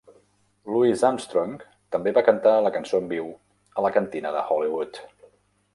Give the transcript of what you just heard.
Louis Armstrong també va cantar la cançó en viu a la Cantina de Hollywood.